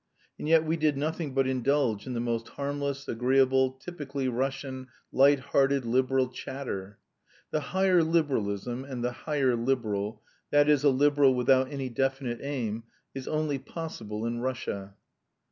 And yet we did nothing but indulge in the most harmless, agreeable, typically Russian, light hearted liberal chatter. "The higher liberalism" and the "higher liberal," that is, a liberal without any definite aim, is only possible in Russia.